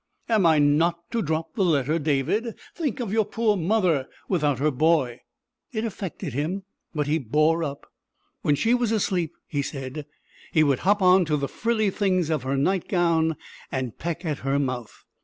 "Am I not to drop the letter, David? Think of your poor mother without her boy!" It affected him, but he bore up. When she was asleep, he said, he would hop on to the frilly things of her night gown and peck at her mouth.